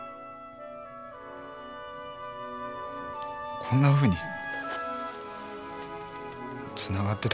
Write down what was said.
こんなふうにつながってたから。